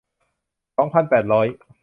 สองพันแปดร้อย